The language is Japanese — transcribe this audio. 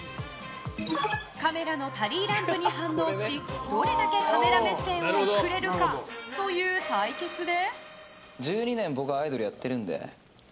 カメラのタリーランプに反応しどれだけカメラ目線を送れるかという対決で。